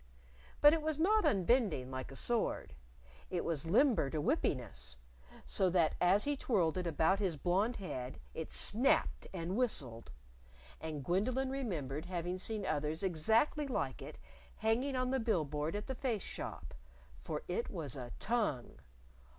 But it was not unbending, like a sword: It was limber to whippiness, so that as he twirled it about his blonde head it snapped and whistled. And Gwendolyn remembered having seen others exactly like it hanging on the bill board at the Face Shop. For it was a tongue!